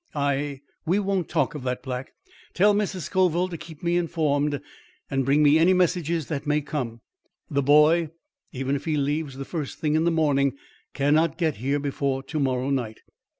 "I we won't talk of that, Black. Tell Mrs. Scoville to keep me informed and bring me any message that may come. The boy, even if he leaves the first thing in the morning, cannot get here before to morrow night."